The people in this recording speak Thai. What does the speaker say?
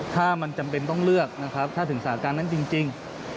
ถ้ามันจำเป็นต้องเลือกนะครับถ้าถึงสาการนั้นจริง